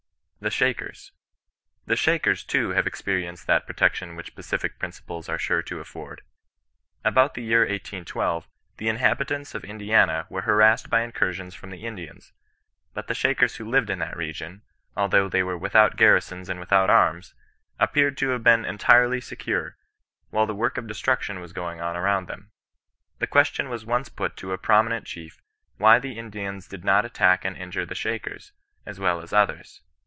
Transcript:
THE SHAKERS. " The Shakers, too, have experienced that protection which pacific principles are sure to afford. About the year 1812, the inhabitants of Indiana were harassed by incursions from the Indians ; but the Shakers who lived in that region, although they were without garrisons and without arms, appear to have been entirely secure, while the work of destruction was going on around them. The question was once put to a prominent chief, why the Indians did not attack and injure the Shakers, as well as others.